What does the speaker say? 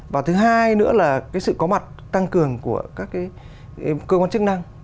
và thứ hai nữa là cái sự có mặt tăng cường của các cơ quan chức năng